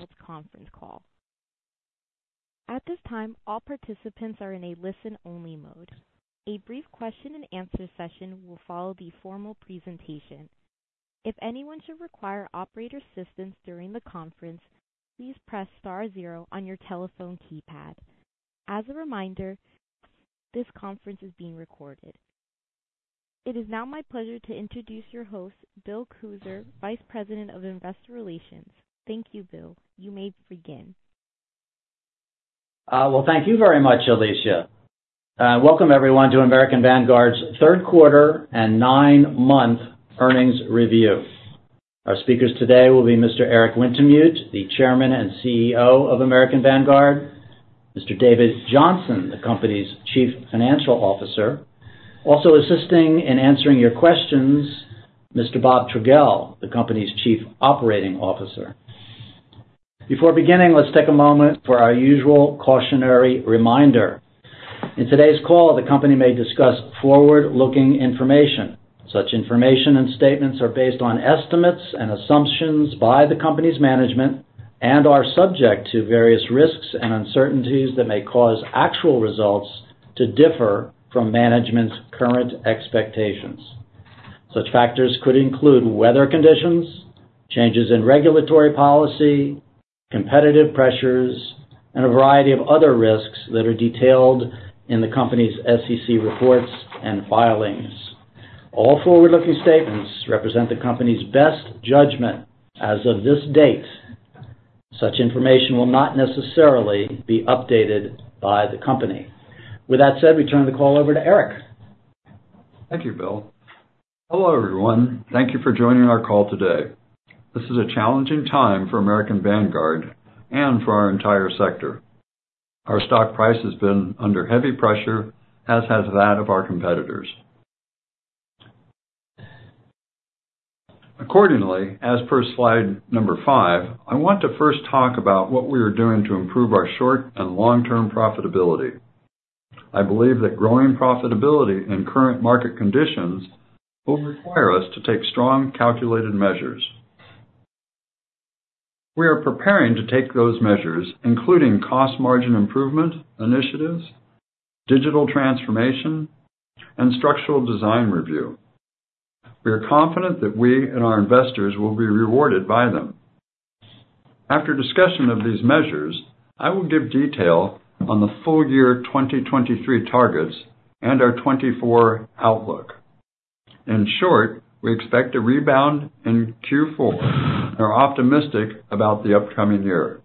This conference call. At this time, all participants are in a listen-only mode. A brief question and answer session will follow the formal presentation. If anyone should require operator assistance during the conference, please press star zero on your telephone keypad. As a reminder, this conference is being recorded. It is now my pleasure to introduce your host, Bill Kuser, Vice President of Investor Relations. Thank you, Bill. You may begin. Well, thank you very much, Alicia. Welcome everyone, to American Vanguard's Q3 and nine-month earnings review. Our speakers today will be Mr. Eric Wintemute, the Chairman and CEO of American Vanguard, Mr. David Johnson, the company's Chief Financial Officer. Also assisting in answering your questions, Mr. Bob Trogele, the company's Chief Operating Officer. Before beginning, let's take a moment for our usual cautionary reminder. In today's call, the company may discuss forward-looking information. Such information and statements are based on estimates and assumptions by the company's management and are subject to various risks and uncertainties that may cause actual results to differ from management's current expectations. Such factors could include weather conditions, changes in regulatory policy, competitive pressures, and a variety of other risks that are detailed in the company's SEC reports and filings. All forward-looking statements represent the company's best judgment as of this date. Such information will not necessarily be updated by the company. With that said, we turn the call over to Eric. Thank you, Bill. Hello, everyone. Thank you for joining our call today. This is a challenging time for American Vanguard and for our entire sector. Our stock price has been under heavy pressure, as has that of our competitors. Accordingly, as per slide number five, I want to first talk about what we are doing to improve our short and long-term profitability. I believe that growing profitability in current market conditions will require us to take strong, calculated measures. We are preparing to take those measures, including cost margin improvement initiatives, digital transformation, and structural design review. We are confident that we and our investors will be rewarded by them. After discussion of these measures, I will give detail on the full year 2023 targets and our 2024 outlook. In short, we expect a rebound in Q4 and are optimistic about the upcoming year.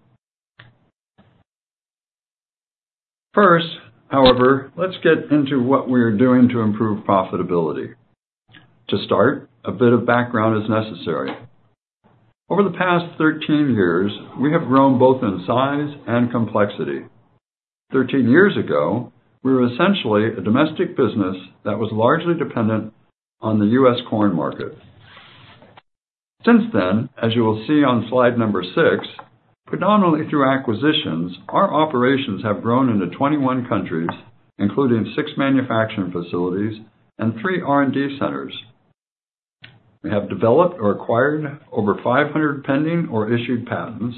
First, however, let's get into what we are doing to improve profitability. To start, a bit of background is necessary. Over the past 13 years, we have grown both in size and complexity. 13 years ago, we were essentially a domestic business that was largely dependent on the U.S. corn market. Since then, as you will see on slide number six, predominantly through acquisitions, our operations have grown into 21 countries, including six manufacturing facilities and three R&D centers. We have developed or acquired over 500 pending or issued patents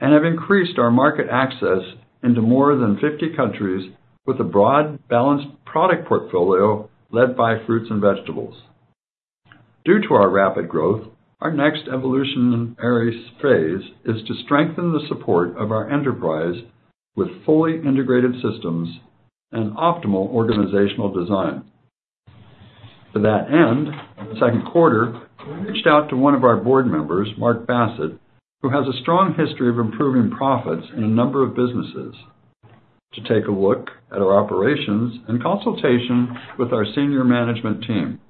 and have increased our market access into more than 50 countries with a broad, balanced product portfolio led by fruits and vegetables. Due to our rapid growth, our next evolutionary phase is to strengthen the support of our enterprise with fully integrated systems and optimal organizational design. To that end, in the Q2, we reached out to one of our board members, Mark Bassett, who has a strong history of improving profits in a number of businesses, to take a look at our operations in consultation with our senior management team.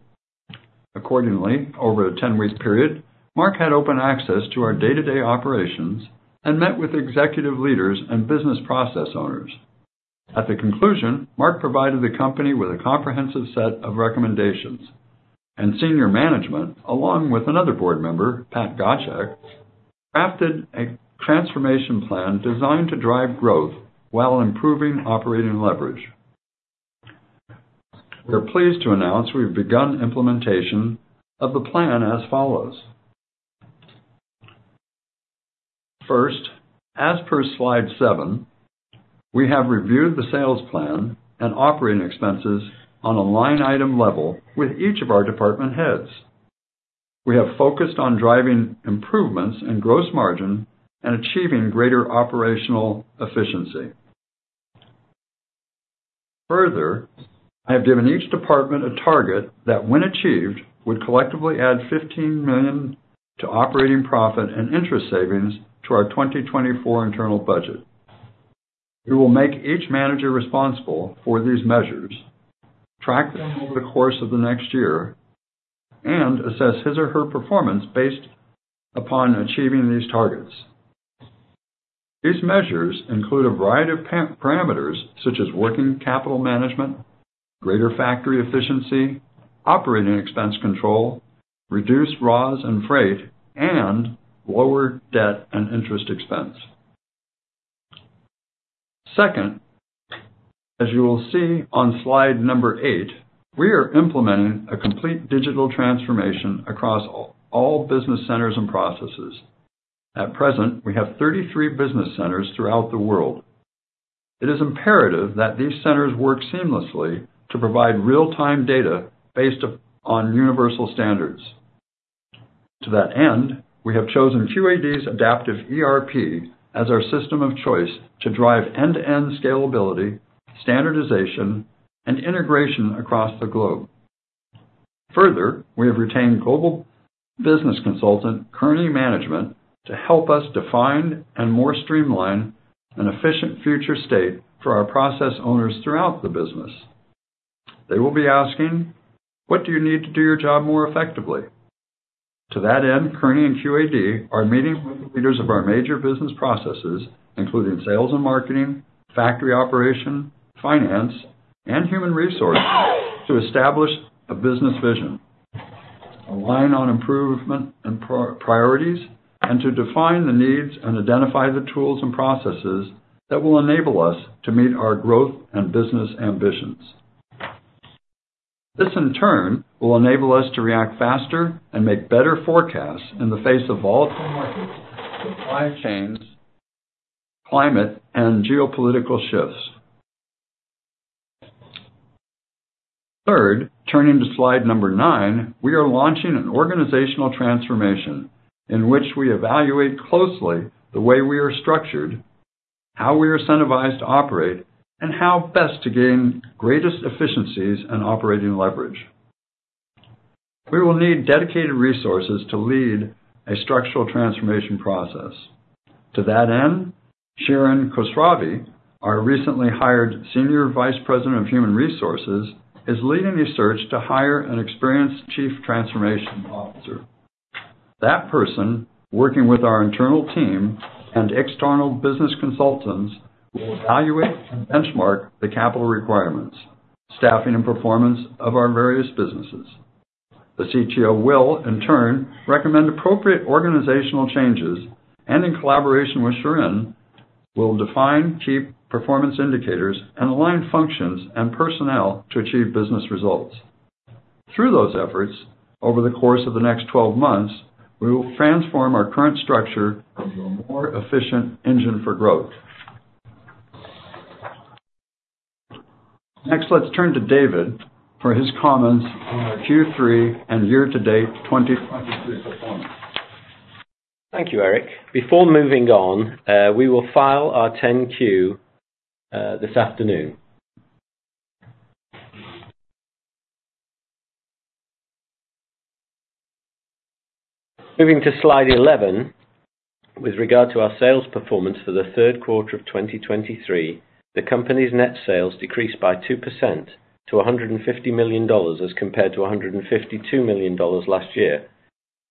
Accordingly, over a 10-week period, Mark had open access to our day-to-day operations and met with executive leaders and business process owners. At the conclusion, Mark provided the company with a comprehensive set of recommendations, and senior management, along with another board member, Patrick Gottschalk, crafted a transformation plan designed to drive growth while improving operating leverage. We're pleased to announce we've begun implementation of the plan as follows: First, as per slide seven, we have reviewed the sales plan and operating expenses on a line item level with each of our department heads. We have focused on driving improvements in gross margin and achieving greater operational efficiency. Further, I have given each department a target that, when achieved, would collectively add $15 million to operating profit and interest savings to our 2024 internal budget. We will make each manager responsible for these measures, track them over the course of the next year, and assess his or her performance based upon achieving these targets. These measures include a variety of parameters such as working capital management, greater factory efficiency, operating expense control, reduced raws and freight, and lower debt and interest expense. Second, as you will see on slide number eight, we are implementing a complete digital transformation across all business centers and processes. At present, we have 33 business centers throughout the world. It is imperative that these centers work seamlessly to provide real-time data based on universal standards. To that end, we have chosen QAD's Adaptive ERP as our system of choice to drive end-to-end scalability, standardization, and integration across the globe. Further, we have retained global business consultant, Kearney Management, to help us define and more streamline an efficient future state for our process owners throughout the business. They will be asking: What do you need to do your job more effectively? To that end, Kearney and QAD are meeting with the leaders of our major business processes, including sales and marketing, factory operation, finance, and human resources, to establish a business vision, align on improvement and priorities, and to define the needs and identify the tools and processes that will enable us to meet our growth and business ambitions. This, in turn, will enable us to react faster and make better forecasts in the face of volatile markets, supply chains, climate, and geopolitical shifts. Third, turning to slide number nine, we are launching an organizational transformation in which we evaluate closely the way we are structured, how we are incentivized to operate, and how best to gain greatest efficiencies and operating leverage. We will need dedicated resources to lead a structural transformation process. To that end, Shirin Khosravi, our recently hired Senior Vice President of Human Resources, is leading a search to hire an experienced Chief Transformation Officer. That person, working with our internal team and external business consultants, will evaluate and benchmark the capital requirements, staffing and performance of our various businesses. The CTO will, in turn, recommend appropriate organizational changes, and in collaboration with Shirin, will define key performance indicators and align functions and personnel to achieve business results. Through those efforts, over the course of the next 12 months, we will transform our current structure into a more efficient engine for growth. Next, let's turn to David for his comments on our Q3 and year-to-date 2023 performance. Thank you, Eric. Before moving on, we will file our 10-Q this afternoon. Moving to slide 11, with regard to our sales performance for the Q3 of 2023, the company's net sales decreased by 2% to $150 million as compared to $152 million last year.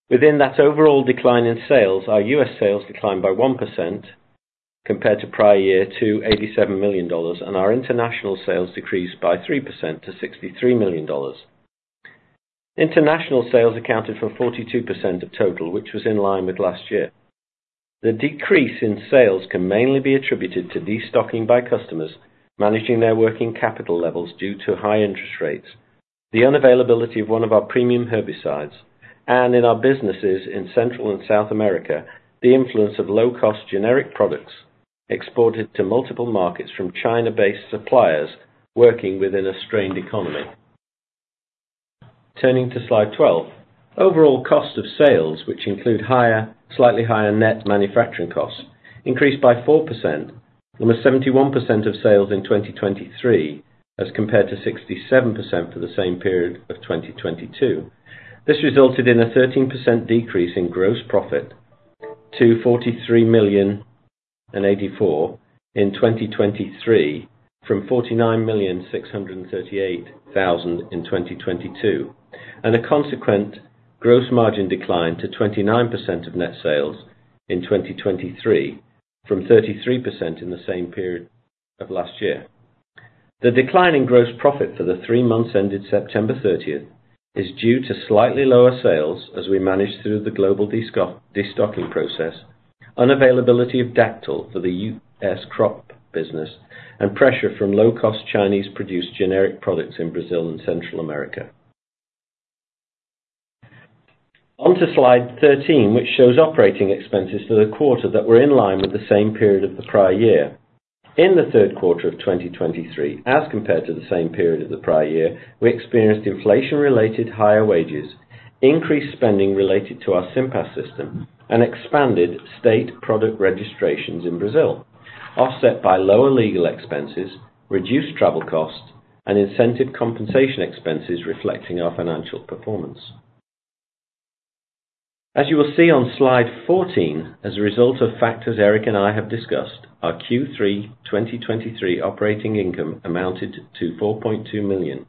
Within that overall decline in sales, our U.S. sales declined by 1% compared to prior year to $87 million, and our international sales decreased by 3% to $63 million. International sales accounted for 42% of total, which was in line with last year. The decrease in sales can mainly be attributed to destocking by customers, managing their working capital levels due to high interest rates, the unavailability of one of our premium herbicides, and in our businesses in Central and South America, the influence of low-cost generic products exported to multiple markets from China-based suppliers working within a strained economy. Turning to Slide 12. Overall cost of sales, which include higher, slightly higher net manufacturing costs, increased by 4%, almost 71% of sales in 2023, as compared to 67% for the same period of 2022. This resulted in a 13% decrease in gross profit to $43,000,084 in 2023, from $49,638,000 in 2022, and a consequent gross margin decline to 29% of net sales in 2023, from 33% in the same period of last year. The decline in gross profit for the three months ended September 30, is due to slightly lower sales as we managed through the global destocking process, unavailability of Dacthal for the U.S. crop business, and pressure from low-cost Chinese-produced generic products in Brazil and Central America. On to Slide 13, which shows operating expenses for the quarter that were in line with the same period of the prior year. In the Q3 of 2023, as compared to the same period of the prior year, we experienced inflation-related higher wages, increased spending related to our SIMPAS system, and expanded state product registrations in Brazil, offset by lower legal expenses, reduced travel costs, and incentive compensation expenses reflecting our financial performance. As you will see on Slide 14, as a result of factors Eric and I have discussed, our Q3 2023 operating income amounted to $4.2 million,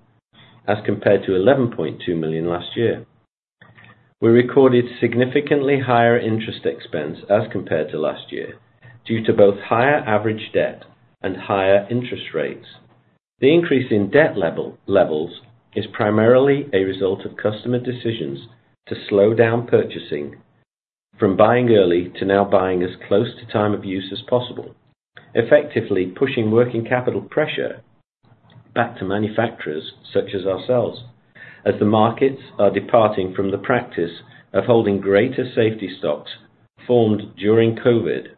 as compared to $11.2 million last year. We recorded significantly higher interest expense as compared to last year, due to both higher average debt and higher interest rates. The increase in debt levels is primarily a result of customer decisions to slow down purchasing. from buying early to now buying as close to time of use as possible, effectively pushing working capital pressure back to manufacturers such as ourselves. As the markets are departing from the practice of holding greater safety stocks formed during COVID,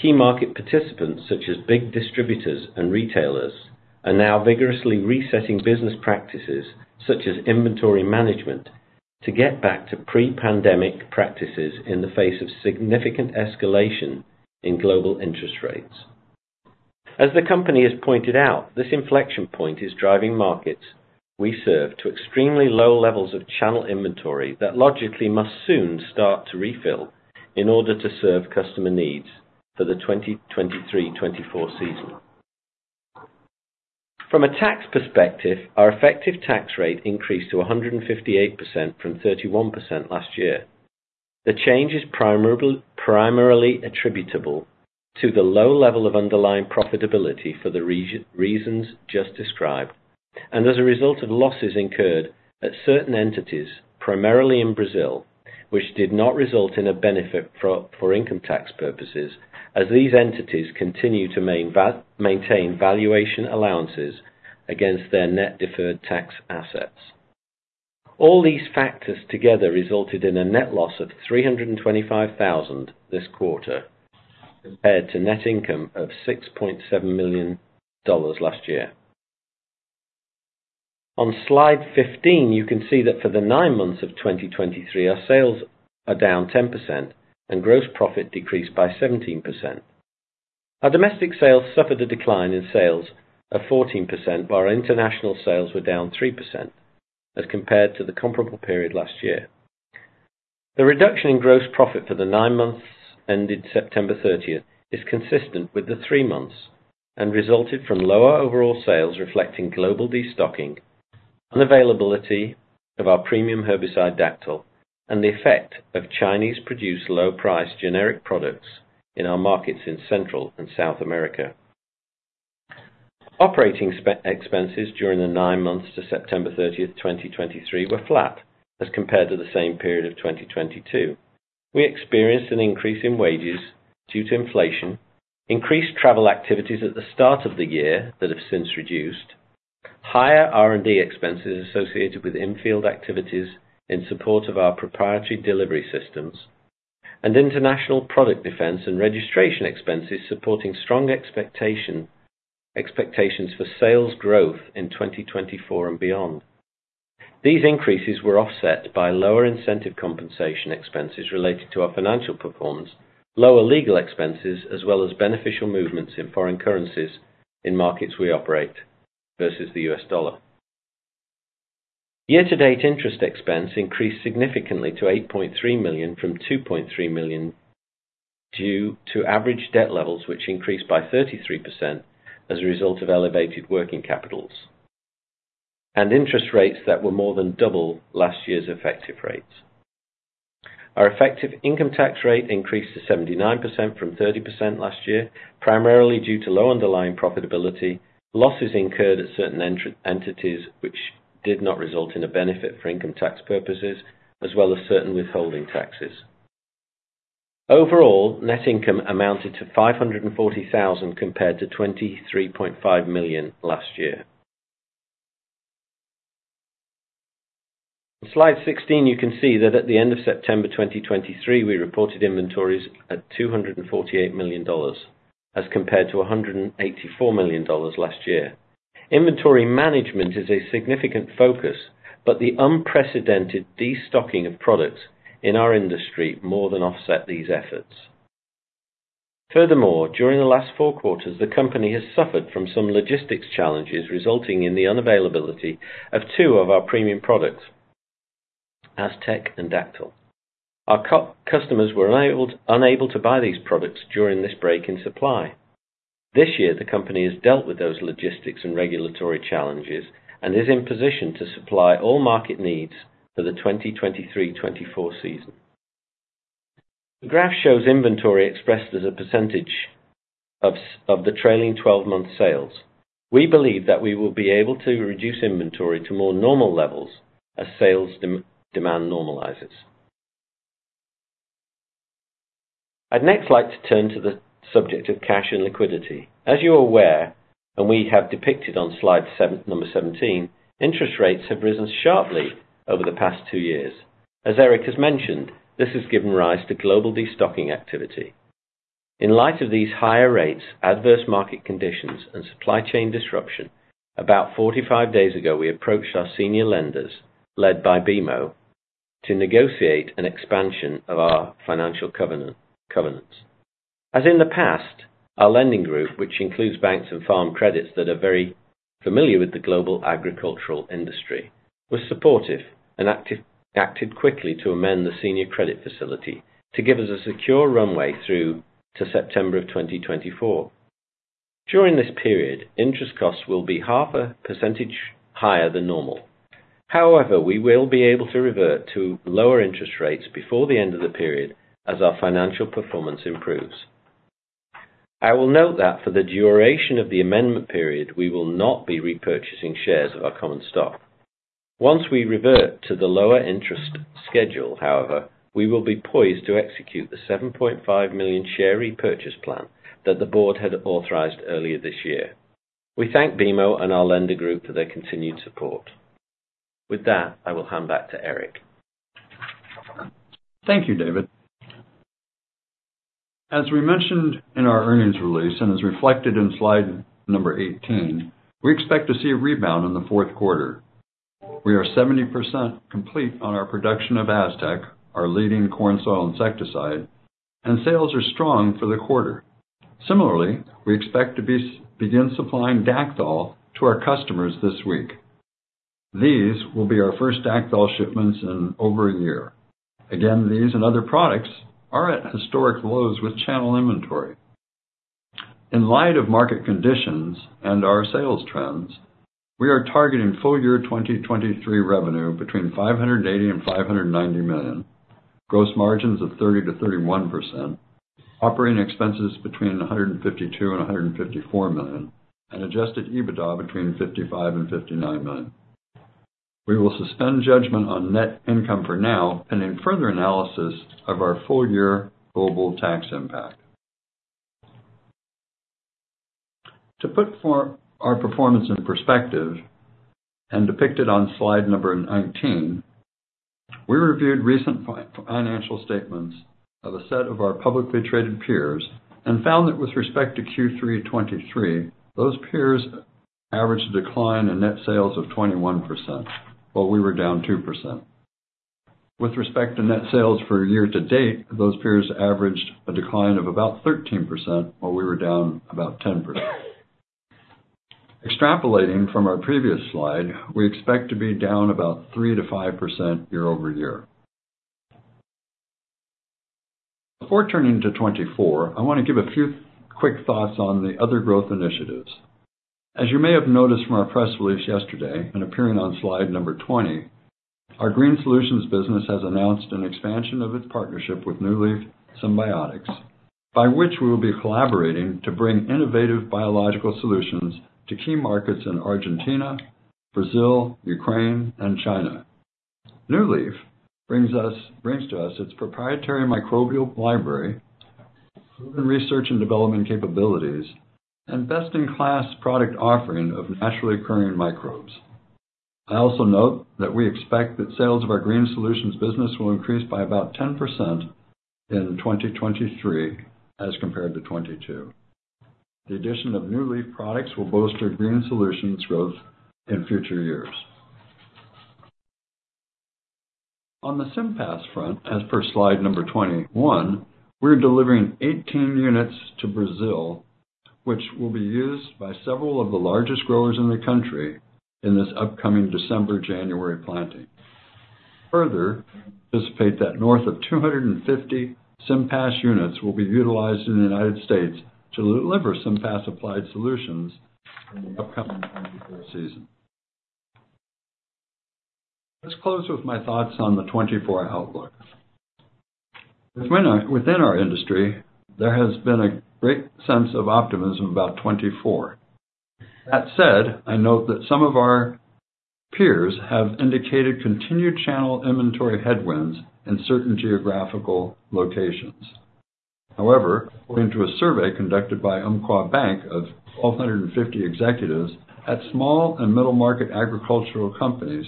key market participants, such as big distributors and retailers, are now vigorously resetting business practices such as inventory management, to get back to pre-pandemic practices in the face of significant escalation in global interest rates. As the company has pointed out, this inflection point is driving markets we serve to extremely low levels of channel inventory that logically must soon start to refill in order to serve customer needs for the 2023-2024 season. From a tax perspective, our effective tax rate increased to 158% from 31% last year. The change is primarily attributable to the low level of underlying profitability for the reasons just described, and as a result of losses incurred at certain entities, primarily in Brazil, which did not result in a benefit for income tax purposes, as these entities continue to maintain valuation allowances against their net deferred tax assets. All these factors together resulted in a net loss of $325,000 this quarter, compared to net income of $6.7 million last year. On slide 15, you can see that for the nine months of 2023, our sales are down 10% and gross profit decreased by 17%. Our domestic sales suffered a decline in sales of 14%, while our international sales were down 3% as compared to the comparable period last year. The reduction in gross profit for the nine months ended September 30 is consistent with the three months and resulted from lower overall sales, reflecting global destocking, unavailability of our premium herbicide, Dacthal, and the effect of Chinese-produced low-price generic products in our markets in Central and South America. Operating expenses during the nine months to September 30, 2023 were flat as compared to the same period of 2022. We experienced an increase in wages due to inflation, increased travel activities at the start of the year that have since reduced, higher R&D expenses associated with in-field activities in support of our proprietary delivery systems, and international product defense and registration expenses, supporting strong expectations for sales growth in 2024 and beyond. These increases were offset by lower incentive compensation expenses related to our financial performance, lower legal expenses, as well as beneficial movements in foreign currencies in markets we operate versus the U.S. dollar. Year-to-date interest expense increased significantly to $8.3 million from $2.3 million due to average debt levels, which increased by 33% as a result of elevated working capitals, and interest rates that were more than double last year's effective rates. Our effective income tax rate increased to 79% from 30% last year, primarily due to low underlying profitability, losses incurred at certain entities, which did not result in a benefit for income tax purposes, as well as certain withholding taxes. Overall, net income amounted to $540,000 compared to $23.5 million last year. On slide 16, you can see that at the end of September 2023, we reported inventories at $248 million as compared to $184 million last year. Inventory management is a significant focus, but the unprecedented destocking of products in our industry more than offset these efforts. Furthermore, during the last four quarters, the company has suffered from some logistics challenges, resulting in the unavailability of two of our premium products, Aztec and Dacthal. Our customers were unable to buy these products during this break in supply. This year, the company has dealt with those logistics and regulatory challenges and is in position to supply all market needs for the 2023-24 season. The graph shows inventory expressed as a percentage of the trailing twelve-month sales. We believe that we will be able to reduce inventory to more normal levels as sales demand normalizes. I'd next like to turn to the subject of cash and liquidity. As you are aware, and we have depicted on slide 7, number 17, interest rates have risen sharply over the past two years. As Eric has mentioned, this has given rise to global destocking activity. In light of these higher rates, adverse market conditions, and supply chain disruption, about 45 days ago, we approached our senior lenders, led by BMO, to negotiate an expansion of our financial covenants. As in the past, our lending group, which includes banks and Farm Credits that are very familiar with the global agricultural industry, was supportive and acted quickly to amend the senior credit facility to give us a secure runway through to September of 2024. During this period, interest costs will be 0.5% higher than normal. However, we will be able to revert to lower interest rates before the end of the period as our financial performance improves. I will note that for the duration of the amendment period, we will not be repurchasing shares of our common stock. Once we revert to the lower interest schedule, however, we will be poised to execute the 7.5 million share repurchase plan that the board had authorized earlier this year. We thank BMO and our lender group for their continued support. With that, I will hand back to Eric. Thank you, David. As we mentioned in our earnings release, and as reflected in slide number 18, we expect to see a rebound in the Q4. We are 70% complete on our production of Aztec, our leading corn soil insecticide, and sales are strong for the quarter. Similarly, we expect to begin supplying Dacthal to our customers this week. These will be our first Dacthal shipments in over a year. Again, these and other products are at historic lows with channel inventory. In light of market conditions and our sales trends, we are targeting full year 2023 revenue between $580 million and $590 million, gross margins of 30%-31%, operating expenses between $152 million and $154 million, and Adjusted EBITDA between $55 million and $59 million. We will suspend judgment on net income for now, pending further analysis of our full year global tax impact. To put forth our performance in perspective, and depicted on slide number 19, we reviewed recent financial statements of a set of our publicly traded peers and found that with respect to Q3 2023, those peers averaged a decline in net sales of 21%, while we were down 2%. With respect to net sales for year-to-date, those peers averaged a decline of about 13%, while we were down about 10%. Extrapolating from our previous slide, we expect to be down about 3%-5% year-over-year. Before turning to 2024, I want to give a few quick thoughts on the other growth initiatives. As you may have noticed from our press release yesterday and appearing on slide number 20, our Green Solutions business has announced an expansion of its partnership with NewLeaf Symbiotics, by which we will be collaborating to bring innovative biological solutions to key markets in Argentina, Brazil, Ukraine, and China. NewLeaf brings to us its proprietary microbial library, proven research and development capabilities, and best-in-class product offering of naturally occurring microbes. I also note that we expect that sales of our Green Solutions business will increase by about 10% in 2023 as compared to 2022. The addition of NewLeaf products will bolster Green Solutions growth in future years. On the SIMPAS front, as per slide number 21, we're delivering 18 units to Brazil, which will be used by several of the largest growers in the country in this upcoming December-January planting. Further, we anticipate that north of 250 SIMPAS units will be utilized in the United States to deliver SIMPAS-applied Solutions in the upcoming 2024 season. Let's close with my thoughts on the 2024 outlook. Within our, within our industry, there has been a great sense of optimism about 2024. That said, I note that some of our peers have indicated continued channel inventory headwinds in certain geographical locations. However, according to a survey conducted by Umpqua Bank of 1,250 executives at small and middle-market agricultural companies,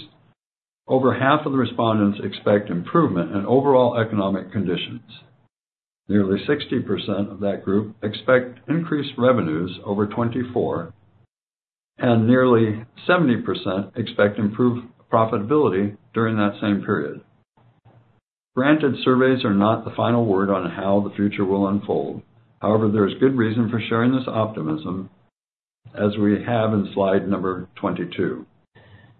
over half of the respondents expect improvement in overall economic conditions. Nearly 60% of that group expect increased revenues over 2024, and nearly 70% expect improved profitability during that same period. Granted, surveys are not the final word on how the future will unfold. However, there is good reason for sharing this optimism, as we have in slide number 22.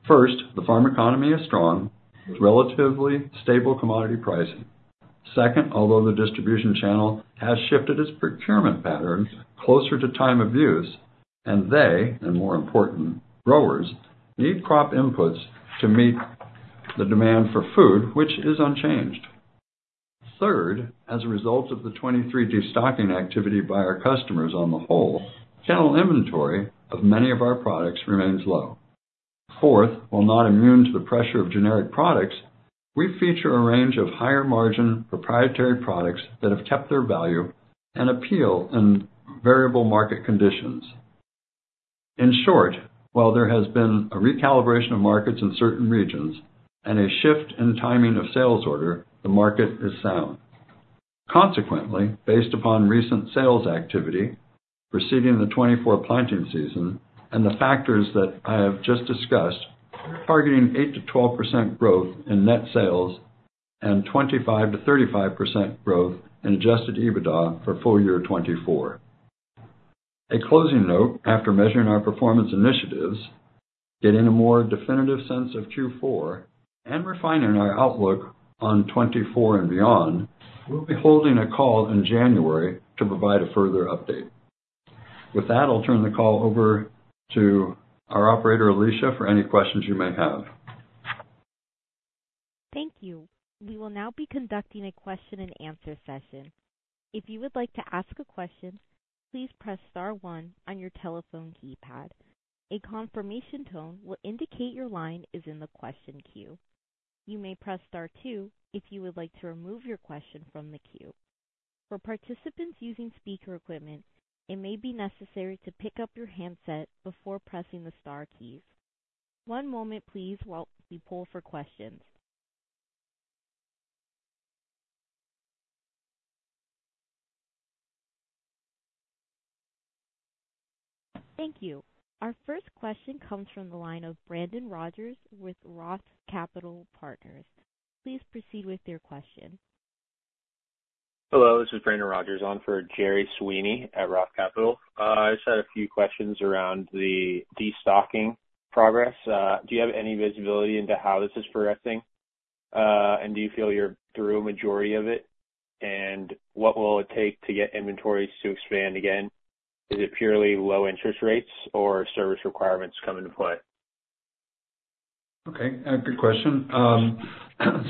First, the farm economy is strong, with relatively stable commodity pricing. Second, although the distribution channel has shifted its procurement patterns closer to time of use, and they, and more important, growers, need crop inputs to meet the demand for food, which is unchanged. Third, as a result of the 2023 destocking activity by our customers on the whole, channel inventory of many of our products remains low. Fourth, while not immune to the pressure of generic products, we feature a range of higher-margin, proprietary products that have kept their value and appeal in variable market conditions. In short, while there has been a recalibration of markets in certain regions and a shift in timing of sales order, the market is sound. Consequently, based upon recent sales activity preceding the 2024 planting season and the factors that I have just discussed, we're targeting 8%-12% growth in net sales and 25%-35% growth in Adjusted EBITDA for full year 2024. A closing note: after measuring our performance initiatives, getting a more definitive sense of Q4, and refining our outlook on 2024 and beyond, we'll be holding a call in January to provide a further update. With that, I'll turn the call over to our operator, Alicia, for any questions you may have.... Thank you. We will now be conducting a question-and-answer session. If you would like to ask a question, please press star one on your telephone keypad. A confirmation tone will indicate your line is in the question queue. You may press star two if you would like to remove your question from the queue. For participants using speaker equipment, it may be necessary to pick up your handset before pressing the star keys. One moment, please, while we poll for questions. Thank you. Our first question comes from the line of Brandon Rogers with Roth Capital Partners. Please proceed with your question. Hello, this is Brandon Rogers on for Jerry Sweeney at Roth Capital Partners. I just had a few questions around the destocking progress. Do you have any visibility into how this is progressing? Do you feel you're through a majority of it? What will it take to get inventories to expand again? Is it purely low interest rates or service requirements come into play? Okay, good question.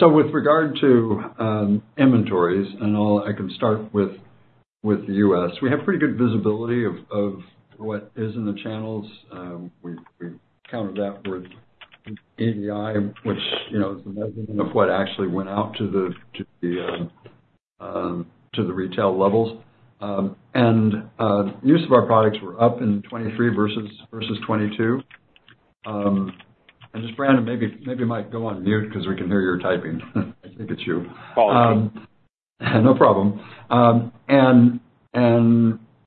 So with regard to inventories, and I'll-- I can start with, with the U.S. We have pretty good visibility of, of what is in the channels. We counted that with ADI, which, you know, is the measurement of what actually went out to the, to the, to the retail levels. And use of our products were up in 2023 versus, versus 2022. And just, Brandon, maybe, maybe, Mike, go on mute because we can hear you're typing. I think it's you. Apologies. No problem. And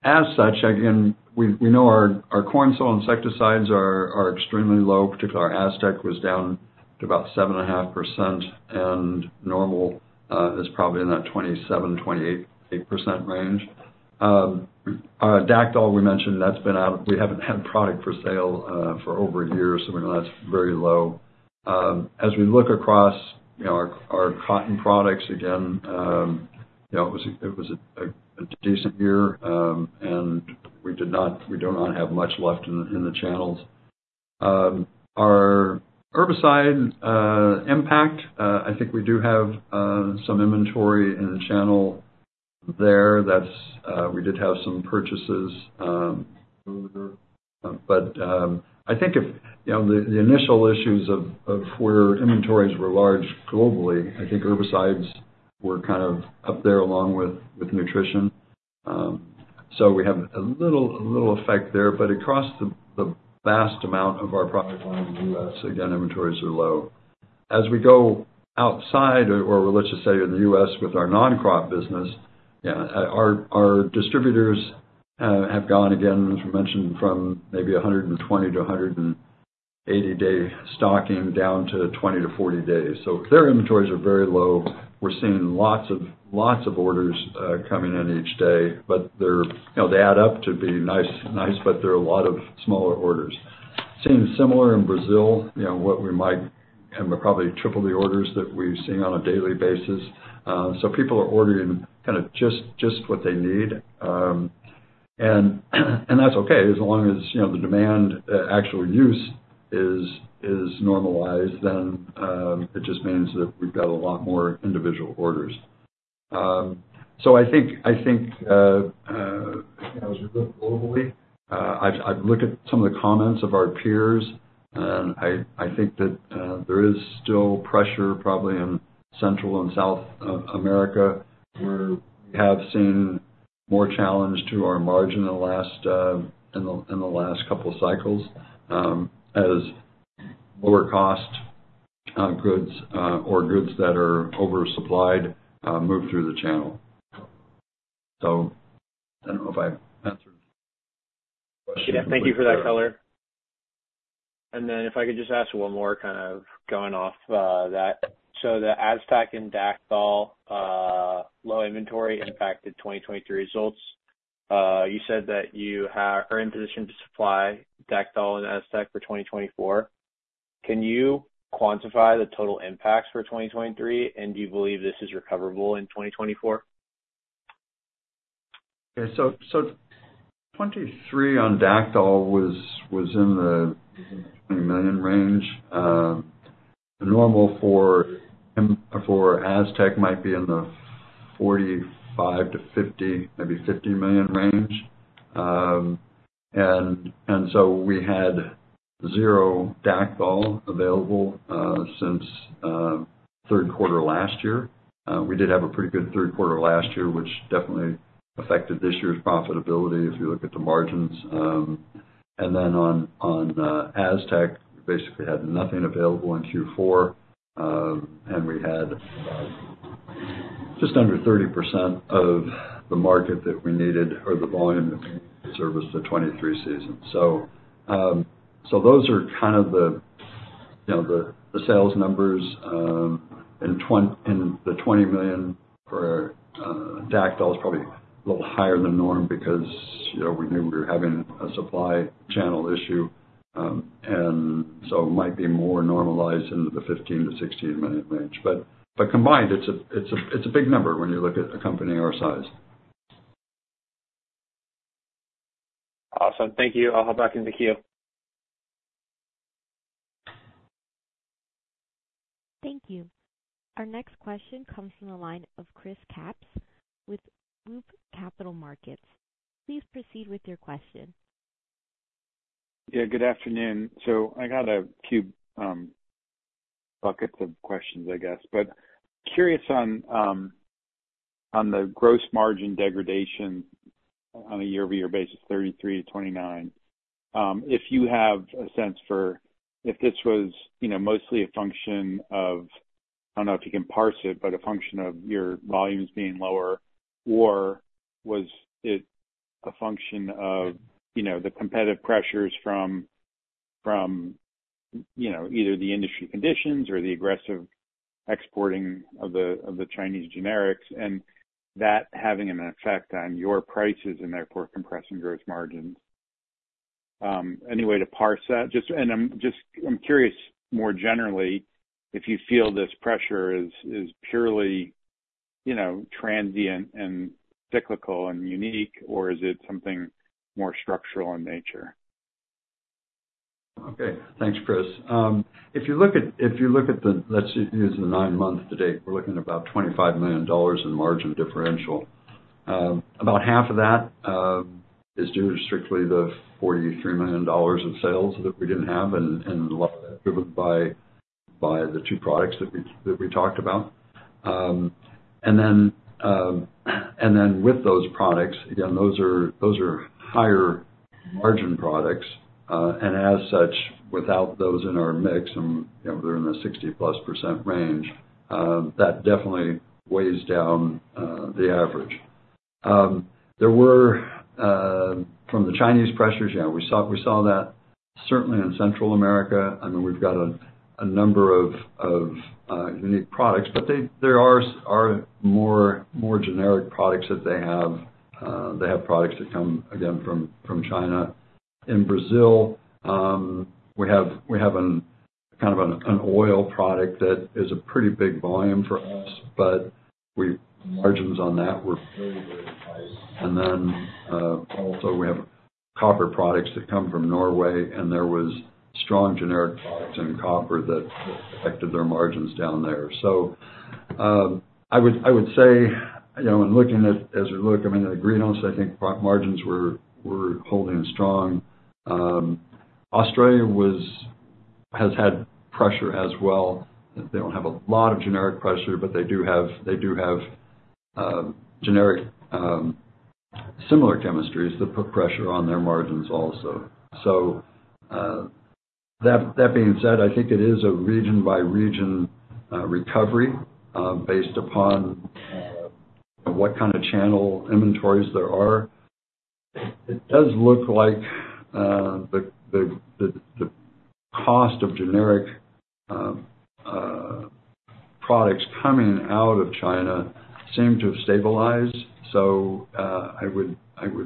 as such, again, we know our corn soil insecticides are extremely low. Particularly our Aztec was down to about 7.5%, and normal is probably in that 27-28.8% range. Our Dacthal, we mentioned, that's been out. We haven't had product for sale for over a year, so that's very low. As we look across, you know, our cotton products again, you know, it was a decent year, and we did not. We do not have much left in the channels. Our herbicide Impact, I think we do have some inventory in the channel there. That's, we did have some purchases earlier. I think if, you know, the initial issues of where inventories were large globally, I think herbicides were kind of up there along with nutrition. So we have a little, a little effect there, but across the vast amount of our product line in the U.S., again, inventories are low. As we go outside, or let's just say in the U.S. with our non-crop business, our distributors have gone again, as we mentioned, from maybe 120-180-day stocking, down to 20-40 days. So their inventories are very low. We're seeing lots of, lots of orders coming in each day, but they're, you know, they add up to be nice, nice, but there are a lot of smaller orders. Seems similar in Brazil, you know, what we might have probably triple the orders that we've seen on a daily basis. So people are ordering kind of just, just what they need. And that's okay, as long as, you know, the demand, actual use is normalized, then it just means that we've got a lot more individual orders. So I think, as we look globally, I've looked at some of the comments of our peers, and I think that there is still pressure probably in Central and South America, where we have seen more challenge to our margin in the last couple of cycles, as lower cost goods, or goods that are oversupplied, move through the channel. I don't know if I answered the question. Yeah, thank you for that color. And then if I could just ask one more, kind of going off that. So the Aztec and Dacthal low inventory impacted 2023 results. You said that you are in position to supply Dacthal and Aztec for 2024. Can you quantify the total impacts for 2023? And do you believe this is recoverable in 2024? Okay. So, 2023 on Dacthal was in the $20 million range. The normal for Aztec might be in the $45-$50, maybe $50 million range. And so we had zero Dacthal available since Q3 last year. We did have a pretty good Q3 last year, which definitely affected this year's profitability, if you look at the margins. And then on Aztec, basically had nothing available in Q4. And we had just under 30% of the market that we needed or the volume of service the 2023 season. So those are kind of the, you know, the sales numbers. And the $20 million for Dacthal is probably a little higher than norm because, you know, we knew we were having a supply channel issue. And so it might be more normalized into the $15-16 million range. But combined, it's a big number when you look at a company our size.... Awesome. Thank you. I'll hop back in the queue. Thank you. Our next question comes from the line of Chris Kapsch with Loop Capital Markets. Please proceed with your question. Yeah, good afternoon. So I got a few buckets of questions, I guess. But curious on, on the gross margin degradation on a year-over-year basis, 33%-29%. If you have a sense for if this was, you know, mostly a function of, I don't know if you can parse it, but a function of your volumes being lower, or was it a function of, you know, the competitive pressures from, from, you know, either the industry conditions or the aggressive exporting of the, of the Chinese generics, and that having an effect on your prices and therefore compressing gross margins? Any way to parse that? Just, and I'm curious more generally, if you feel this pressure is, is purely, you know, transient and cyclical and unique, or is it something more structural in nature? Okay. Thanks, Chris. If you look at the... Let's use the nine months to date, we're looking at about $25 million in margin differential. About half of that is due to strictly the $43 million in sales that we didn't have, and a lot of that driven by the two products that we talked about. And then with those products, again, those are higher margin products, and as such, without those in our mix, you know, they're in the 60%+ range, that definitely weighs down the average. There were from the Chinese pressures, yeah, we saw that certainly in Central America. I mean, we've got a number of unique products, but there are more generic products that they have. They have products that come from China. In Brazil, we have an oil product that is a pretty big volume for us, but margins on that were very, very nice. And then, also, we have copper products that come from Norway, and there was strong generic products in copper that affected their margins down there. So, I would say, you know, when looking at, as we look, I mean, in the greenhouses, I think margins were holding strong. Australia has had pressure as well. They don't have a lot of generic pressure, but they do have generic similar chemistries that put pressure on their margins also. So, that being said, I think it is a region-by-region recovery based upon what kind of channel inventories there are. It does look like the cost of generic products coming out of China seem to have stabilized. So, I would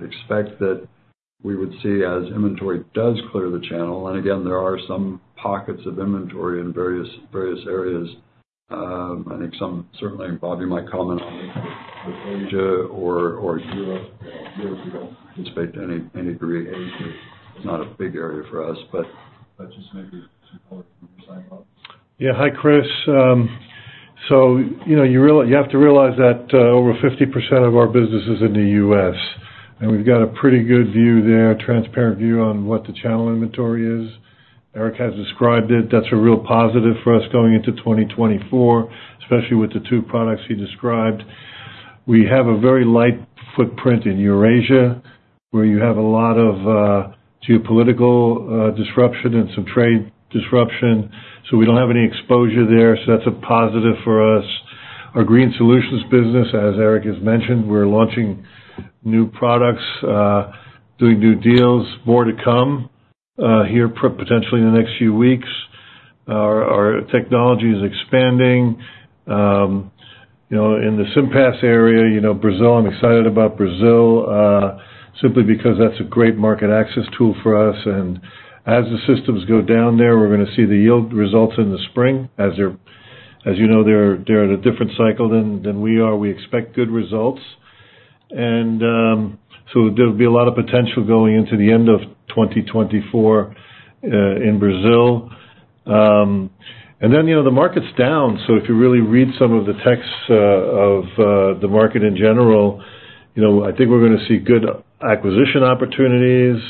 expect that we would see as inventory does clear the channel, and again, there are some pockets of inventory in various areas. I think some certainly, Bobby, you might comment on it, with Asia or Europe. Europe, we don't expect any degree. It's not a big area for us, but let's just maybe support from sign up. Yeah. Hi, Chris. So you know, you have to realize that over 50% of our business is in the U.S., and we've got a pretty good view there, transparent view on what the channel inventory is. Eric has described it. That's a real positive for us going into 2024, especially with the 2 products he described. We have a very light footprint in Eurasia, where you have a lot of geopolitical disruption and some trade disruption, so we don't have any exposure there, so that's a positive for us. Our Green Solutions business, as Eric has mentioned, we're launching new products, doing new deals. More to come here potentially in the next few weeks. Our technology is expanding. You know, in the SIMPAS area, you know, Brazil, I'm excited about Brazil, simply because that's a great market access tool for us, and as the systems go down there, we're gonna see the yield results in the spring. As they're, as you know, they're at a different cycle than we are. We expect good results. And so there'll be a lot of potential going into the end of 2024 in Brazil. And then, you know, the market's down, so if you really read some of the texts of the market in general, you know, I think we're gonna see good acquisition opportunities,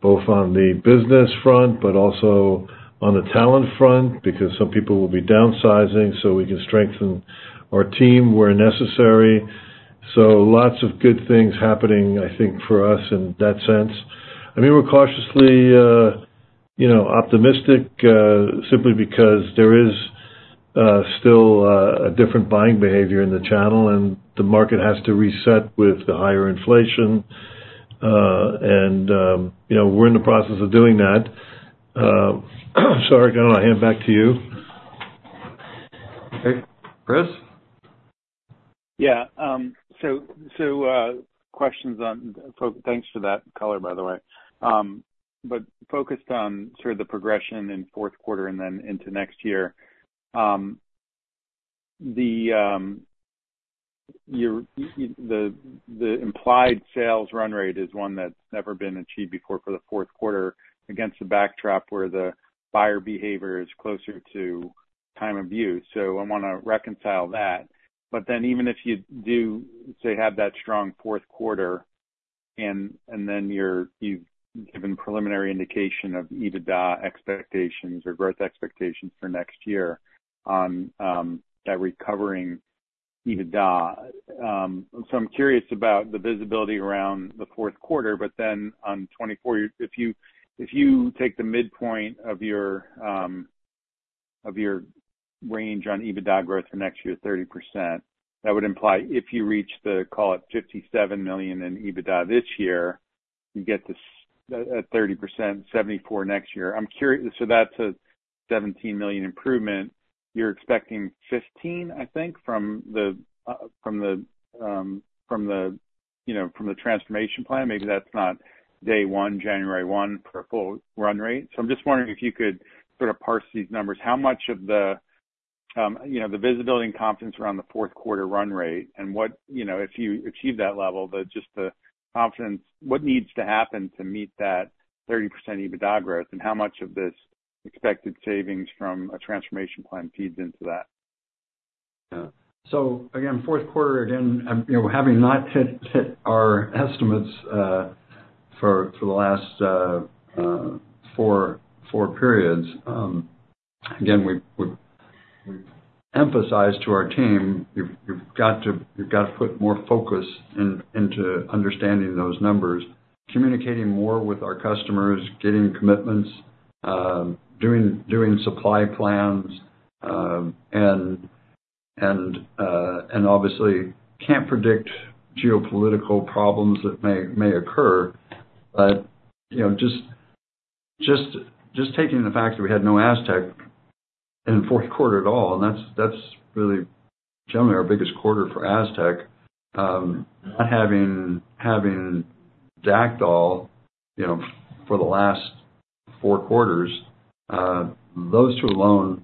both on the business front, but also on the talent front, because some people will be downsizing, so we can strengthen our team where necessary. So lots of good things happening, I think, for us in that sense. I mean, we're cautiously, you know, optimistic, simply because there is still a different buying behavior in the channel, and the market has to reset with the higher inflation. And, you know, we're in the process of doing that. So Eric, I'll hand it back to you. Okay. Chris? Yeah, so questions on. Thanks for that color, by the way. But focused on sort of the progression in Q4 and then into next year. Your implied sales run rate is one that's never been achieved before for the Q4, against the backdrop where the buyer behavior is closer to time of use. So I wanna reconcile that. But then, even if you do, say, have that strong Q4, and then you've given preliminary indication of EBITDA expectations or growth expectations for next year on that recovering EBITDA. So I'm curious about the visibility around the Q4, but then on 2024, if you, if you take the midpoint of your, of your range on EBITDA growth for next year, 30%, that would imply if you reach the, call it $57 million in EBITDA this year, you get this, at 30%, $74 million next year. I'm curious. So that's a $17 million improvement. You're expecting $15 million, I think, from the, from the, from the, you know, from the transformation plan. Maybe that's not day one, January 1 for a full run rate. So I'm just wondering if you could sort of parse these numbers. How much of the, you know, the visibility and confidence around the Q4 run rate and what, you know, if you achieve that level, the, just the confidence, what needs to happen to meet that 30% EBITDA growth, and how much of this expected savings from a transformation plan feeds into that? Yeah. So again, Q4, again, you know, having not hit our estimates for the last 4 periods, again, we've emphasized to our team, you've got to put more focus into understanding those numbers, communicating more with our customers, getting commitments, doing supply plans, and obviously can't predict geopolitical problems that may occur. But, you know, just taking the fact that we had no Aztec in the Q4 at all, and that's really generally our biggest quarter for Aztec. Not having Dacthal, you know, for the last 4 quarters, those two alone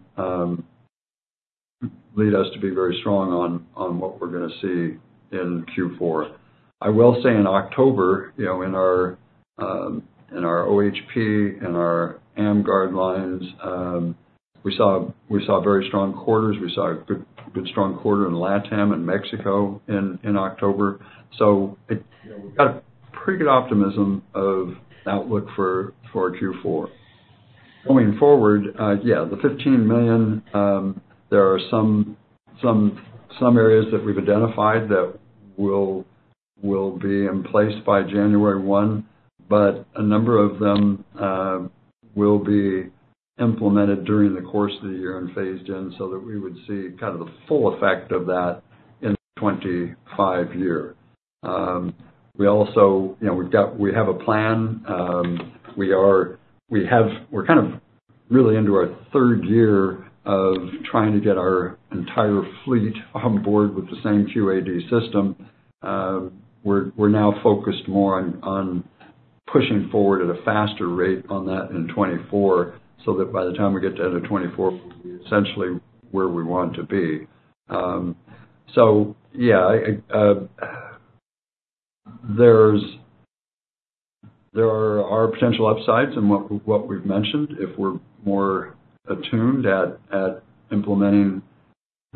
lead us to be very strong on what we're gonna see in Q4. I will say in October, you know, in our OHP and our AMGUARD lines, we saw very strong quarters. We saw a good strong quarter in LATAM and Mexico in October. So, you know, we've got pretty good optimism of outlook for Q4. Going forward, yeah, the $15 million, there are some areas that we've identified that will be in place by January one, but a number of them will be implemented during the course of the year and phased in, so that we would see kind of the full effect of that in the 2025 year. We also, you know, we have a plan. We're kind of really into our third year of trying to get our entire fleet on board with the same QAD system. We're now focused more on pushing forward at a faster rate on that in 2024, so that by the time we get to end of 2024, we'll be essentially where we want to be. So yeah, there are potential upsides in what we've mentioned, if we're more attuned at implementing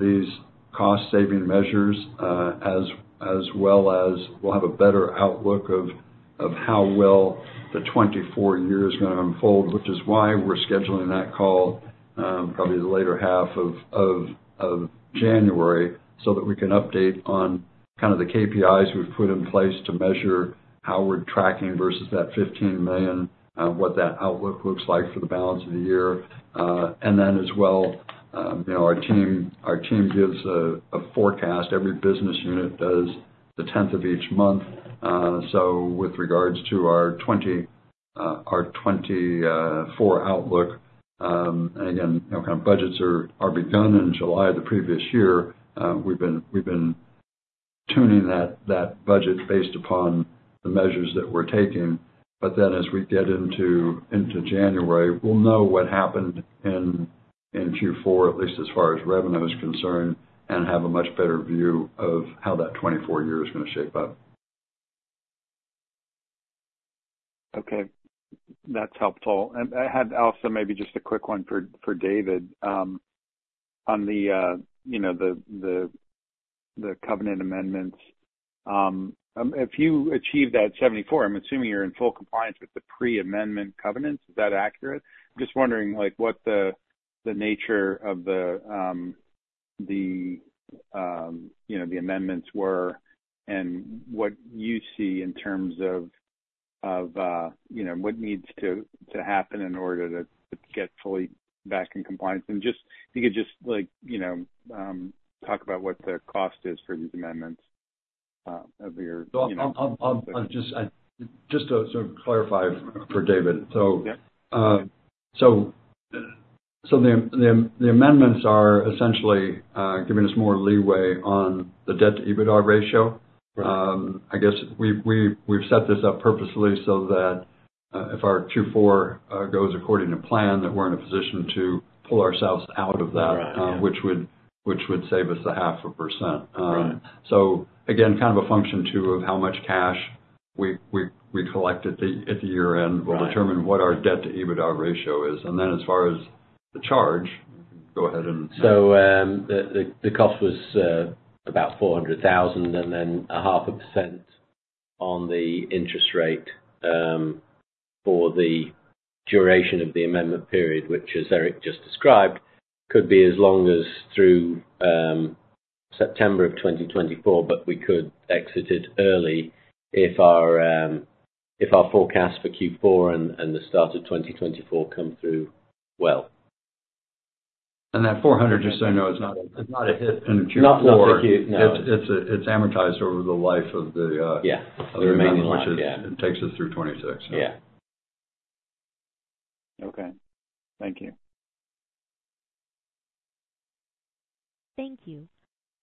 these cost saving measures, as well as we'll have a better outlook of how well the 2024 year is gonna unfold, which is why we're scheduling that call, probably the later half of January, so that we can update on kind of the KPIs we've put in place to measure how we're tracking versus that $15 million, what that outlook looks like for the balance of the year. And then as well, you know, our team gives a forecast. Every business unit does the 10th of each month. So with regards to our 2024 outlook, and again, you know, kind of budgets are begun in July the previous year, we've been tuning that budget based upon the measures that we're taking. But then as we get into January, we'll know what happened in Q4, at least as far as revenue is concerned, and have a much better view of how that 2024 year is gonna shape up. Okay. That's helpful. And I had also maybe just a quick one for David. On the, you know, the covenant amendments. If you achieved that 74, I'm assuming you're in full compliance with the pre-amendment covenants. Is that accurate? Just wondering, like, what the nature of the, you know, the amendments were, and what you see in terms of, you know, what needs to happen in order to get fully back in compliance? And just, if you could just like, you know, talk about what the cost is for these amendments, of your, you know- Well, I'll just to sort of clarify for David. Yeah. So, the amendments are essentially giving us more leeway on the debt to EBITDA ratio. I guess we've set this up purposely so that if our Q4 goes according to plan, that we're in a position to pull ourselves out of that- Right. which would save us 0.5%. Right. So again, kind of a function, too, of how much cash we collect at the year-end- Right - will determine what our debt-to-EBITDA ratio is. And then as far as the charge, go ahead and- So, the cost was about $400,000 and then 0.5% on the interest rate, for the duration of the amendment period, which as Eric just described, could be as long as through September 2024, but we could exit it early if our forecast for Q4 and the start of 2024 come through well. That $400, just so you know, is not a hit in the Q4. Not for Q4, no. It's amortized over the life of the Yeah. The remaining, which is, takes us through 26. Yeah. Okay. Thank you. Thank you.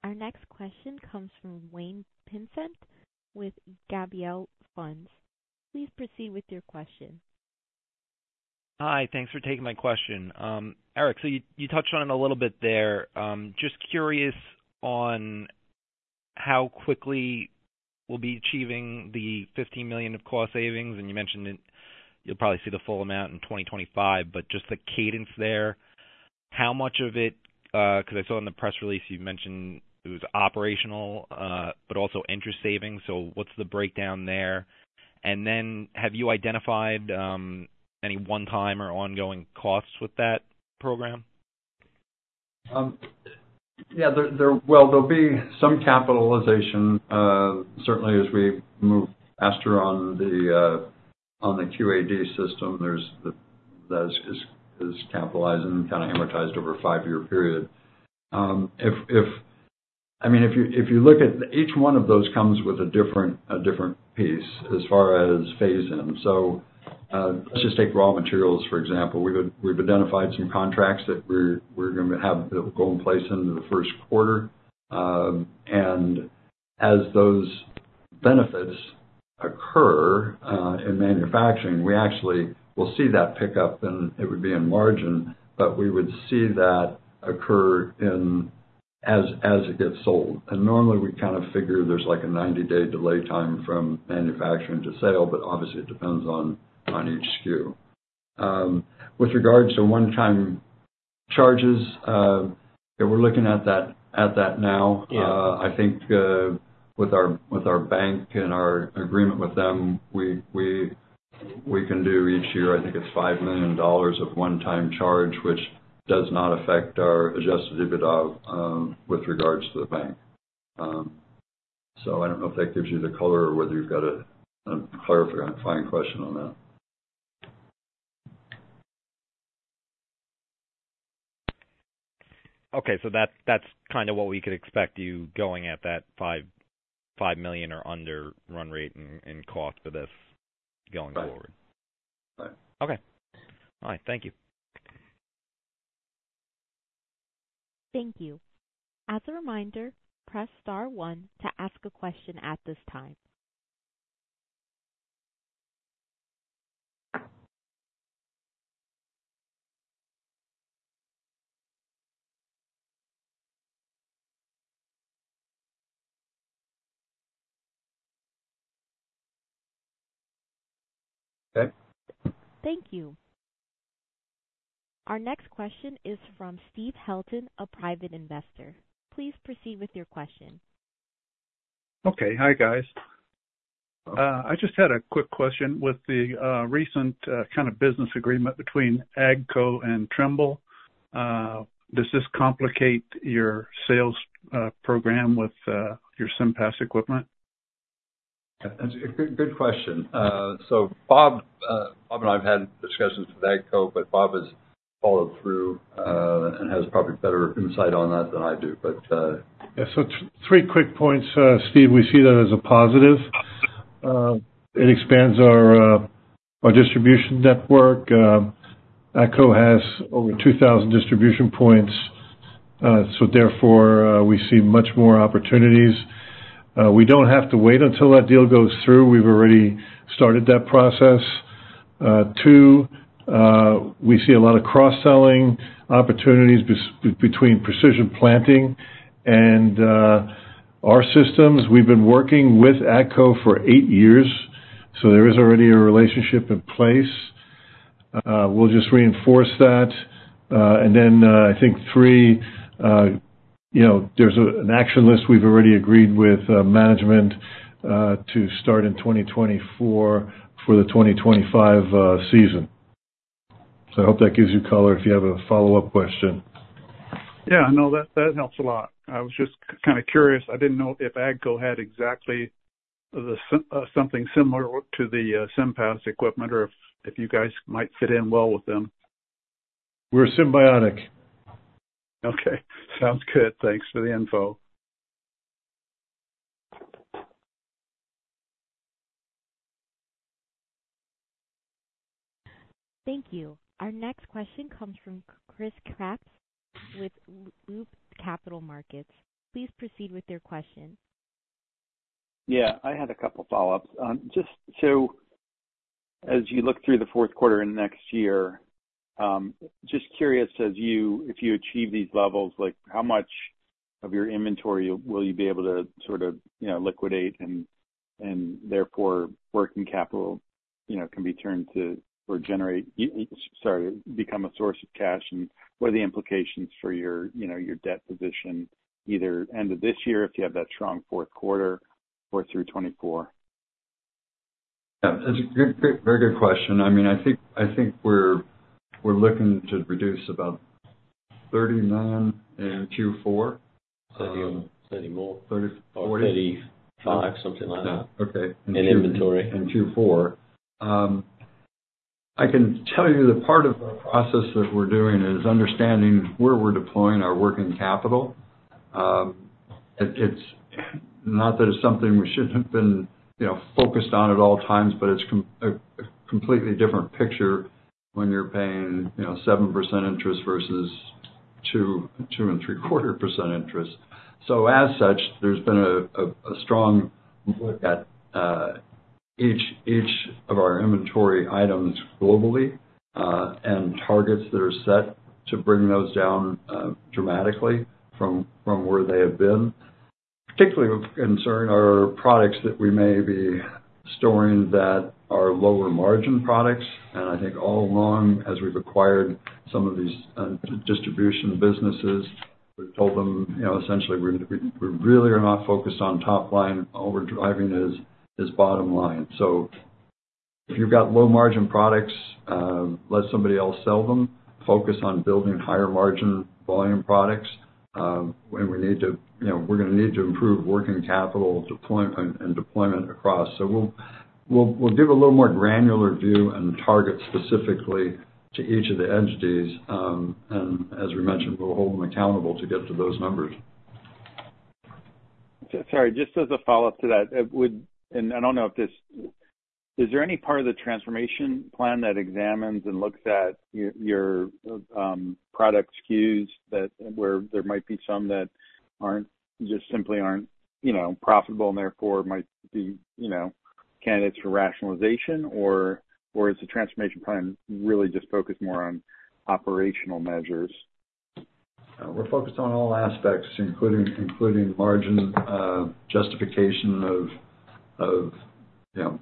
Our next question comes from Wayne Pinsent with Gabelli Funds. Please proceed with your question. Hi. Thanks for taking my question. Eric, so you touched on it a little bit there. Just curious on how quickly we'll be achieving the $15 million of cost savings, and you mentioned that you'll probably see the full amount in 2025, but just the cadence there. How much of it, because I saw in the press release you mentioned it was operational, but also interest savings, so what's the breakdown there? And then, have you identified any one-time or ongoing costs with that program? Yeah, well, there'll be some capitalization, certainly as we move faster on the QAD system. There's that is capitalizing and kind of amortized over a 5-year period. I mean, if you look at each one of those comes with a different piece as far as phase in. So, let's just take raw materials, for example. We've identified some contracts that we're gonna have go in place into the Q1. And as those benefits occur in manufacturing, we actually will see that pick up, and it would be in margin, but we would see that occur as it gets sold. And normally, we kind of figure there's like a 90-day delay time from manufacturing to sale, but obviously it depends on each SKU. With regards to one-time charges, yeah, we're looking at that, at that now. Yeah. I think, with our bank and our agreement with them, we can do each year, I think it's $5 million of one-time charge, which does not affect our Adjusted EBITDA, with regards to the bank. So I don't know if that gives you the color or whether you've got a clarifying question on that. Okay. So that's kind of what we could expect you going at that $5.5 million or under run rate and cost for this going forward? Right. Okay. All right. Thank you. Thank you. As a reminder, press star one to ask a question at this time. Okay. Thank you. Our next question is from Steve Helton, a private investor. Please proceed with your question. Okay. Hi, guys. I just had a quick question. With the recent kind of business agreement between AGCO and Trimble, does this complicate your sales program with your SIMPAS equipment? Good, good question. So Bob, Bob and I have had discussions with AGCO, but Bob has followed through, and has probably better insight on that than I do, but, Yeah. So 3 quick points, Steve. We see that as a positive. It expands our distribution network. AGCO has over 2,000 distribution points, so therefore, we see much more opportunities. We don't have to wait until that deal goes through. We've already started that process. Two, we see a lot of cross-selling opportunities between Precision Planting and our systems. We've been working with AGCO for eight years, so there is already a relationship in place. We'll just reinforce that. And then, I think 3, you know, there's an action list we've already agreed with management to start in 2024 for the 2025 season. So I hope that gives you color if you have a follow-up question. Yeah, no, that, that helps a lot. I was just kind of curious. I didn't know if AGCO had exactly something similar to the SIMPAS equipment, or if you guys might fit in well with them. We're symbiotic. Okay, sounds good. Thanks for the info. Thank you. Our next question comes from Chris Kapsch with Loop Capital Markets. Please proceed with your question. Yeah, I had a couple follow-ups. Just so as you look through the Q4 and next year, just curious, as you-- if you achieve these levels, like, how much of your inventory will you be able to sort of, you know, liquidate and, and therefore working capital, you know, can be turned to or generate... Sorry, become a source of cash? And what are the implications for your, you know, your debt position, either end of this year, if you have that strong Q4 or through 2024? Yeah, that's a good, very good question. I mean, I think we're looking to reduce about $30 million in Q4. Thirty more? Thirty, forty. 35, something like that- Yeah. Okay. - in inventory. In Q4. I can tell you that part of the process that we're doing is understanding where we're deploying our working capital. It, it's not that it's something we shouldn't have been, you know, focused on at all times, but it's a completely different picture when you're paying, you know, 7% interest versus 2.75% interest. So as such, there's been a strong look at each of our inventory items globally, and targets that are set to bring those down dramatically from where they have been. Particularly of concern are products that we may be storing that are lower margin products. And I think all along, as we've acquired some of these distribution businesses, we've told them, you know, essentially, we're, we really are not focused on top line. All we're driving is bottom line. So if you've got low-margin products, let somebody else sell them. Focus on building higher margin volume products. And we need to, you know, we're gonna need to improve working capital deployment and deployment across. So we'll give a little more granular view and target specifically to each of the entities. And as we mentioned, we'll hold them accountable to get to those numbers. Sorry, just as a follow-up to that, is there any part of the transformation plan that examines and looks at your product SKUs, where there might be some that aren't, just simply aren't, you know, profitable and therefore might be, you know, candidates for rationalization? Or is the transformation plan really just focused more on operational measures? We're focused on all aspects, including margin justification of, you know,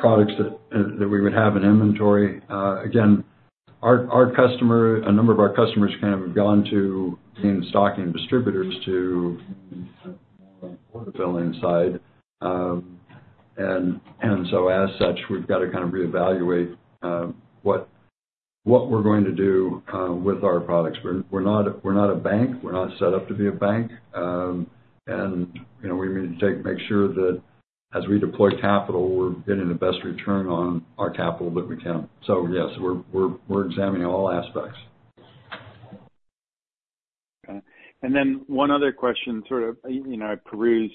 products that we would have in inventory. Again, our customer, a number of our customers kind of have gone to being stocking distributors to more on the order filling side. And so as such, we've got to kind of reevaluate what we're going to do with our products. We're not a bank. We're not set up to be a bank. And, you know, we need to take, make sure that as we deploy capital, we're getting the best return on our capital that we can. So yes, we're examining all aspects. Okay. And then one other question, sort of, you know, I perused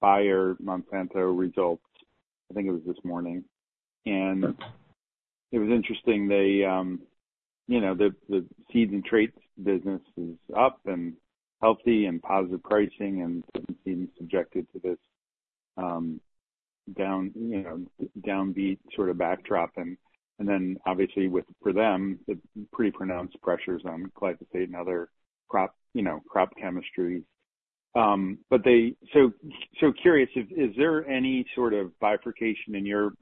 Bayer Monsanto results, I think it was this morning. Sure. And it was interesting. They, you know, the seed and traits business is up and healthy and positive pricing and hasn't been subjected to this down, you know, downbeat sort of backdrop. And then obviously with, for them, the pretty pronounced pressures on glyphosate and other crop, you know, crop chemistries. But they... So curious, is there any sort of bifurcation in your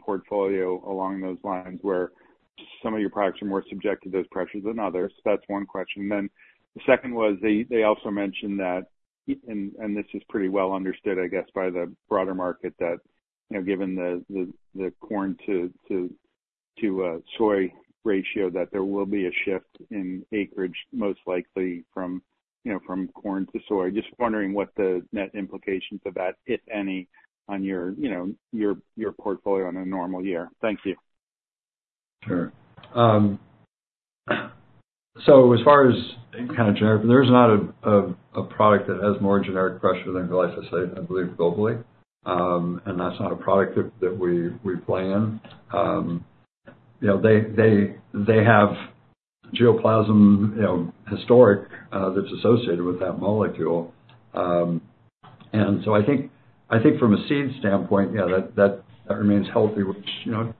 portfolio along those lines, where some of your products are more subject to those pressures than others? That's one question. Then the second was, they also mentioned that, and this is pretty well understood, I guess, by the broader market, that, you know, given the corn to soy ratio, that there will be a shift in acreage, most likely from, you know, from corn to soy. Just wondering what the net implications of that, if any, on your, you know, portfolio on a normal year. Thank you. Sure. So as far as kind of generic, there's not a product that has more generic pressure than glyphosate, I believe, globally. And that's not a product that we play in. You know, they have glyphosate, you know, historic that's associated with that molecule. And so I think from a seed standpoint, yeah, that remains healthy, which, you know,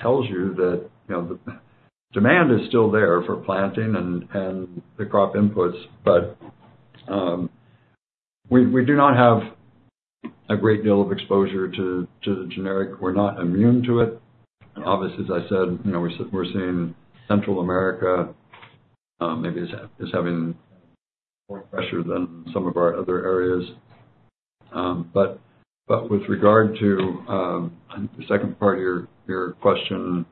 tells you that, you know, the demand is still there for planting and the crop inputs. But we do not have a great deal of exposure to the generic. We're not immune to it. Obviously, as I said, you know, we're seeing Central America maybe is having more pressure than some of our other areas. But with regard to the second part of your question,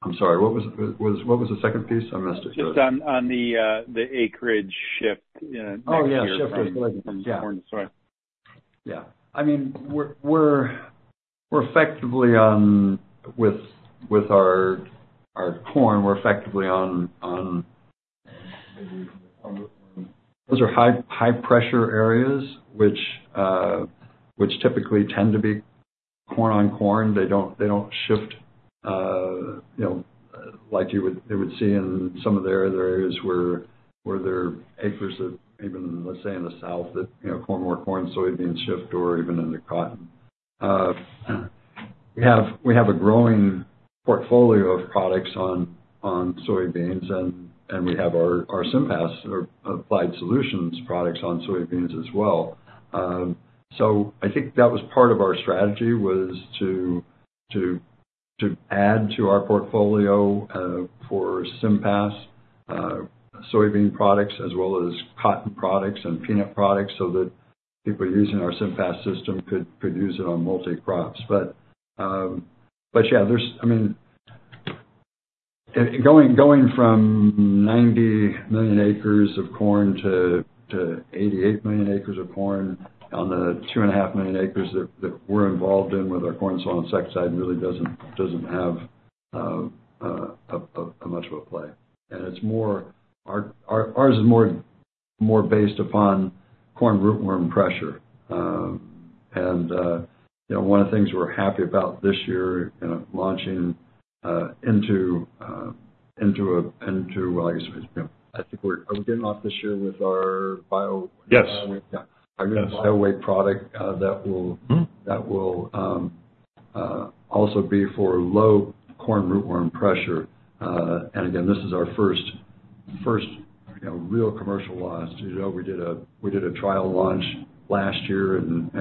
I'm sorry, what was the second piece? I missed it. Just on the acreage shift next year- Oh, yeah. from corn to soy. Yeah. I mean, we're effectively on with our corn. Those are high pressure areas which typically tend to be corn on corn. They don't shift, you know, like you would see in some of the other areas where there are acres of even, let's say, in the South, that, you know, corn more corn, soybean shift or even into cotton. We have a growing portfolio of products on soybeans, and we have our SIMPAS or SIMPAS-applied Solutions products on soybeans as well. So I think that was part of our strategy, was to add to our portfolio for SIMPAS, soybean products as well as cotton products and peanut products, so that people using our SIMPAS system could use it on multi-crops. But yeah, there's— I mean, going from 90 million acres of corn to 88 million acres of corn on the 2.5 million acres that we're involved in with our corn soil insecticide really doesn't have much of a play. And it's more... Ours is more based upon corn rootworm pressure. And, you know, one of the things we're happy about this year, you know, launching into, into a, into, well, I guess, you know, I think we're— Are we getting off this year with our bio? Yes. Yeah. Our new BioWake product, that will— Mm-hmm. —that will, also be for low corn rootworm pressure. And again, this is our first, you know, real commercial launch. You know, we did a trial launch last year and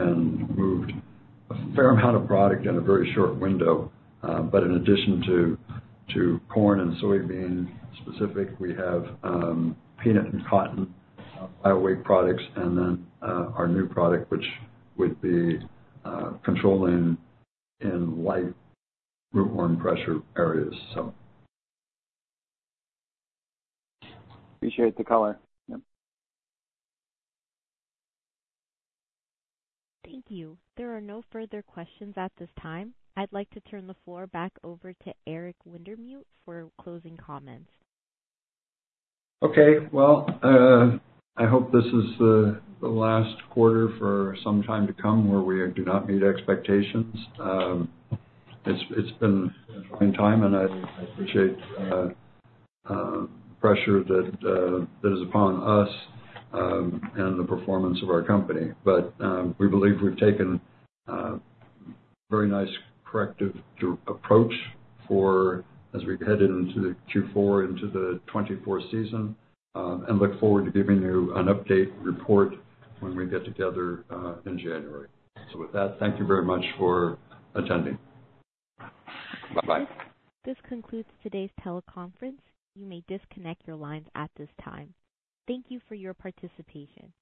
moved a fair amount of product in a very short window. But in addition to corn and soybean specific, we have peanut and cotton BioWake products, and then our new product, which would be controlling in light rootworm pressure areas, so. Appreciate the color. Yep. Thank you. There are no further questions at this time. I'd like to turn the floor back over to Eric Wintemute for closing comments. Okay. Well, I hope this is the last quarter for some time to come, where we do not meet expectations. It's been a trying time, and I appreciate the pressure that is upon us, and the performance of our company. But, we believe we've taken a very nice corrective approach for as we headed into the Q4, into the 2024 season, and look forward to giving you an update report when we get together in January. So with that, thank you very much for attending. Bye-bye. This concludes today's teleconference. You may disconnect your lines at this time. Thank you for your participation.